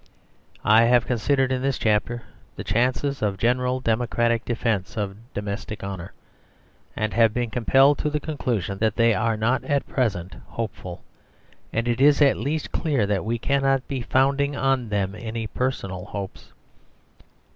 I have considered in this chapter the chances of general democratic defence of domestic honour, and have been compelled to the conclusion that they are not at present hopeful; and it is at least clear that we cannot be founding on them any personal hopes.